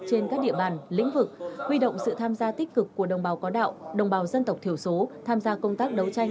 trên các địa bàn lĩnh vực huy động sự tham gia tích cực của đồng bào có đạo đồng bào dân tộc thiểu số tham gia công tác đấu tranh